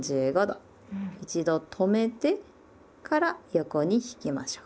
一度止めてから横に引きましょう。